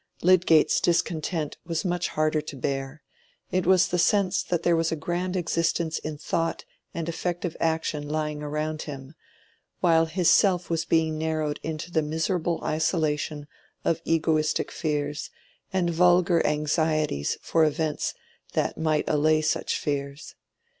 Lydgate's discontent was much harder to bear: it was the sense that there was a grand existence in thought and effective action lying around him, while his self was being narrowed into the miserable isolation of egoistic fears, and vulgar anxieties for events that might allay such fears.